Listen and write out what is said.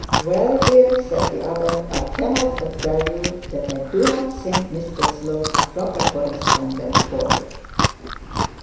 'Well, dear,' said the other, 'I cannot tell you that I do not think that Mr Slope a proper correspondent for you.'